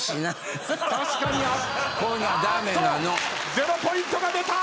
０ポイントが出た！